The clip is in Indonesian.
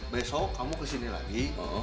besok kamu kesini lagi